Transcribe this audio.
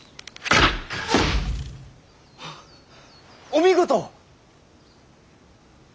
お見事！